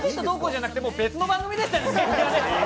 どうこうじゃなくて別の番組でしたよね。